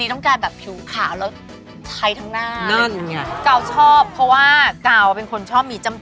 ของคุณแม่ล่ะคะ